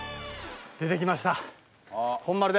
出て来ました。